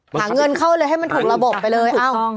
หาเงินเข้าเลยให้มันถูกระบบไปเลย